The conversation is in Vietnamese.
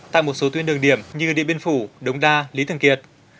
tại một số tuyến đường điểm như điện biên phủ đống đa lý thường kiệt